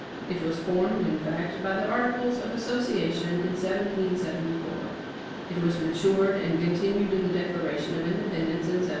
It was formed, in fact, by the Articles of Association in 1774. It was matured and continued in the Declaration of Independence in 1776.